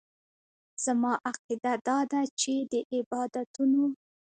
زما عقیده داده چې د عبادتونو.